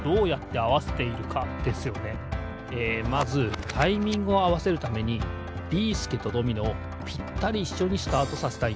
まずタイミングをあわせるためにビーすけとドミノをぴったりいっしょにスタートさせたいんです。